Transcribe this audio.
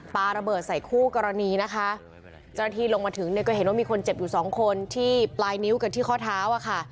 ปลาระเบิดใส่คู่กรณีนะคะจนทีลงมาถึงก็เห็นว่ามีคนเจ็บอยู่๒คนที่ปลายนิ้วกันที่ข้อเท้าค่ะ